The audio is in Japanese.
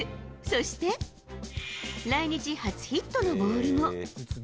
そして、来日初ヒットのボールも。